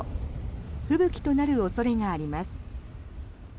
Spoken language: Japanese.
吹雪となる恐れがあります。